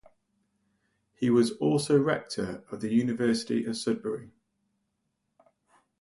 He was also Rector of the University of Sudbury.